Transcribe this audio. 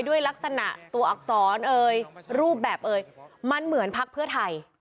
ด้วยลักษณะตัวอักษรเอ่ยรูปแบบเอ่ยมันเหมือนพักเพื่อไทย